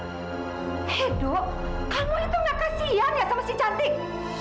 edo kamu itu nggak kasihan ya sama si cantik